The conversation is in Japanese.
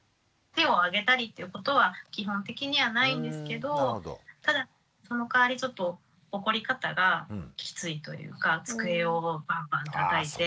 手をあげたりっていうことは基本的にはないんですけどただそのかわりちょっと怒り方がきついというか机をバンバンたたいて。